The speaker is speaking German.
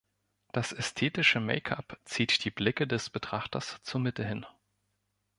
Das ästhetische Make-up zieht die Blicke des Betrachters zur Mitte hin.